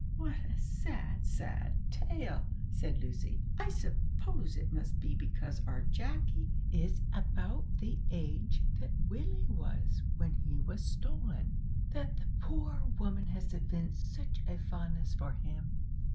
"What a sad, sad tale!" said Lucy. "I suppose it must be because our Jacky is about the age that Willie was when he was stolen, that the poor woman has evinced such a fondness for him."